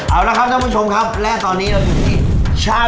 เอาละครับท่านผู้ชมครับและตอนนี้เราอยู่ที่